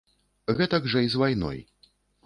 Гэтак жа і з вайной.